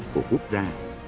của quốc gia